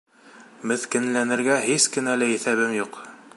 Меҫкенләнергә һис кенә лә иҫәбем юҡ.